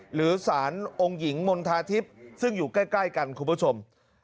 หรือสารองค์หญิงมณฑาทิพย์ซึ่งอยู่ใกล้กันคุณผู้ชม